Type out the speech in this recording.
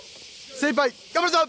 精いっぱい、頑張るぞ！